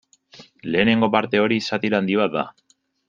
Lehenengo parte hori satira handi bat da.